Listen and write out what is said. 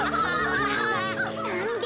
なんで？